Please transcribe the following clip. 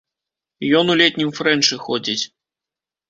Ён у летнім фрэнчы ходзіць.